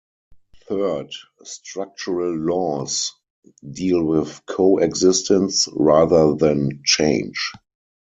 Third, structural laws deal with co-existence rather than change.